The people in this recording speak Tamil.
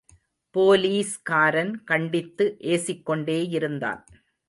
போலீஸ்காரன் கண்டித்து ஏசிக்கொண்டேயிருந்தான்.